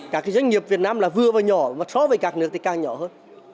các doanh nghiệp việt nam là vừa và nhỏ mà so với các nước thì càng nhỏ hơn